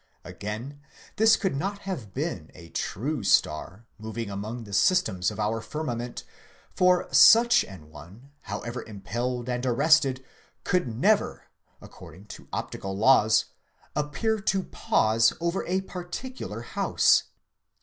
Again, this could not have been a true star, moving among the systems of our firmament, for such an one, however impelled and arrested, could never, according to optical laws, appear to pause over a particular house.